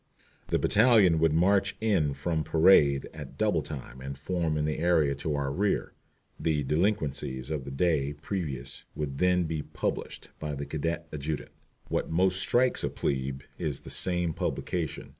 The battalion would march in from parade at double time and form in the area to our rear. The delinquencies of the day previous would then be published by the cadet adjutant. What most strikes a "plebe" is this same publication.